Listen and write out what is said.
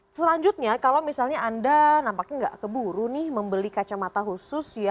selanjutnya kalau misalnya anda nampaknya nggak keburu nih membeli kacamata khusus ya